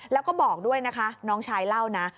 แล้วก็บอกด้วยนะคะน้องชายเล่านะ